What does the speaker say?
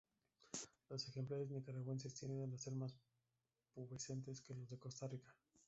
Los ejemplares nicaragüenses tienden a ser más pubescentes que los de Costa Rica.